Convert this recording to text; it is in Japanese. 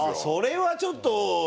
それはちょっと。